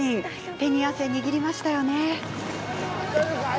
手に汗、握りましたよね。